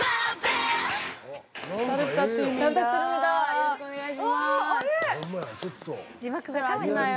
よろしくお願いします。